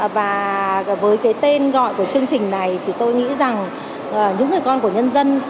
và với tên gọi của chương trình này tôi nghĩ rằng những người con của nhân dân